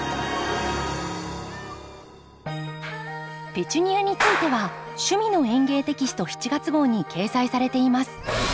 ペチュニアについては「趣味の園芸」テキスト７月号に掲載されています。